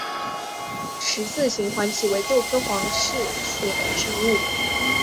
十字形黄耆为豆科黄芪属的植物。